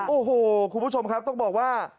โอ้โหคุณผู้ชมครับต้องบอกว่า